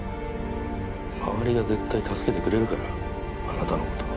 周りが絶対助けてくれるからあなたのことは。